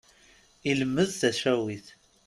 Ilemmed tacawit.